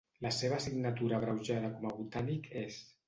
La seva signatura abreujada com a botànic és: